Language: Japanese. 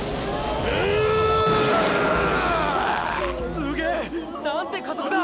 すげえ！なんて加速だ！